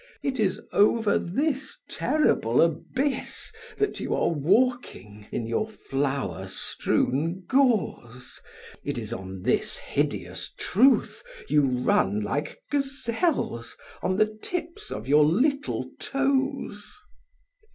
It is over this terrible abyss that you are walking in your flower strewn gauze; it is on this hideous truth you run like gazelles on the tips of your little toes!"